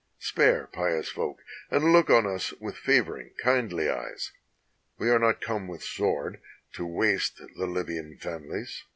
Spare pious folk, and look on us with favoring, kindly eyes! We are not come with sword to waste the Libyan fam ilies.